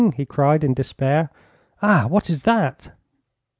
he cried, in despair. 'Ah, what is that?'